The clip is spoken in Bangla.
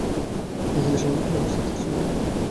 তিনি হিন্দু কলেজের ছাত্র ছিলেন।